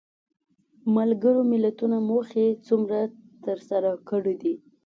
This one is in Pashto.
ملګرو ملتونو موخې څومره تر سره کړې دي؟